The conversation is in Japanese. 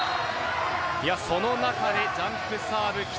その中でジャンプサーブ。